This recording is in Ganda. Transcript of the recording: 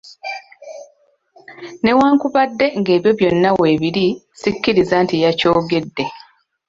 Newankubadde nga ebyo byonna weebiri sikkiriza nti yakyogedde.